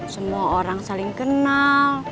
semua orang saling kenal